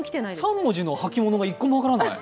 ３文字の履物が１個も分からない。